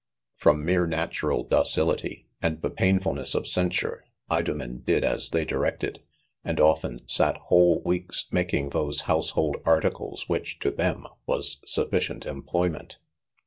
From mere natural docility and the painful lness of censure, Idomen did as they directed 3 and often sat whole weeks, making those house hold articles, which to them, was sufficient employment.